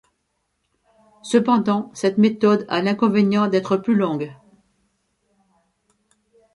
Cependant, cette méthode a l'inconvénient d'être plus longue.